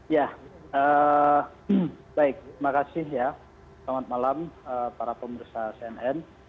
ya baik terima kasih ya selamat malam para pemerintah cnn